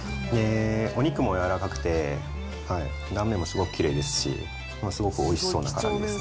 お肉も柔らかくて、断面もすごくきれいですし、すごくおいしそうなから揚げですね。